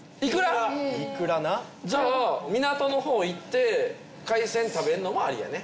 いくらなじゃあ港のほう行って海鮮食べるのもありやね